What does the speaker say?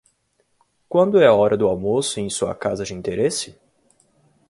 Quando é a hora do almoço em sua casa de interesse?